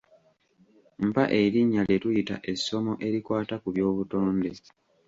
Mpa erinnya lye tuyita essomo erikwata ku by'obutonde.